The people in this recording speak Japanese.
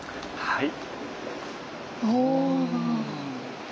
はい。